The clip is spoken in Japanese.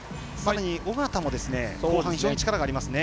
緒方も後半非常に力がありますね。